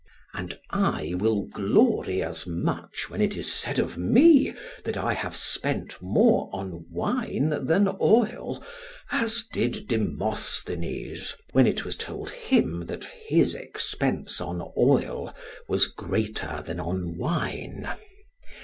And I will glory as much when it is said of me, that I have spent more on wine than oil, as did Demosthenes, when it was told him, that his expense on oil was greater than on wine.